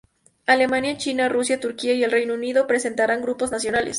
Alemania, China, Rusia, Turquía y el Reino Unido presentarán grupos nacionales.